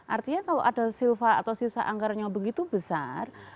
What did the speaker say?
artinya kalau ada silva atau sisa anggarannya begitu besar